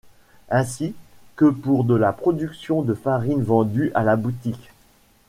Ainsi que pour de la production de farine vendue à la boutique.